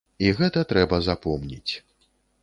І гэта трэба запомніць.